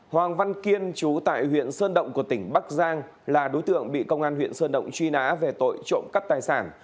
hoàng văn kiên chú tại huyện sơn động của tỉnh bắc giang là đối tượng bị công an huyện sơn động truy nã về tội trộm cắp tài sản